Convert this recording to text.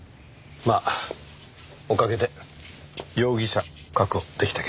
まあおかげで容疑者確保出来たけどね。